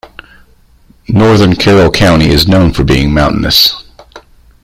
Northern Carroll County is known for being mountainous.